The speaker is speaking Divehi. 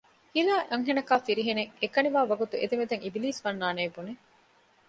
ހިލޭ އަންހެނަކާއި ފިރިހެނެއް އެކަނިވާ ވަގުތު އެދެމެދަށް އިބިލީސް ވާންނެއޭ ބުނެ